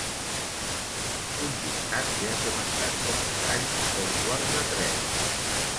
Un dictat que ha començat com cada any a dos quarts de tres.